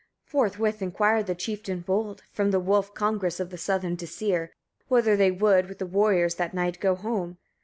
16. Forthwith inquired the chieftain bold, from the wolf congress of the southern Disir, whether they would, with the warriors, that night go home?